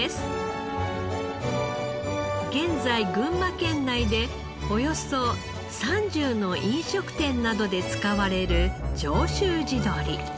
現在群馬県内でおよそ３０の飲食店などで使われる上州地鶏。